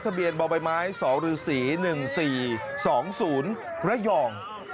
ทะเบียนเบาใบไม้๒หรือ๔๑๔๒๐ระย่อง